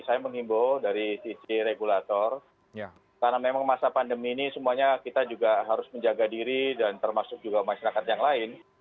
saya mengimbau dari sisi regulator karena memang masa pandemi ini semuanya kita juga harus menjaga diri dan termasuk juga masyarakat yang lain